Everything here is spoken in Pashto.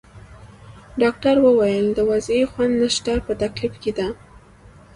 ډاکټر وویل: د وضعې خوند نشته، په تکلیف کې ده.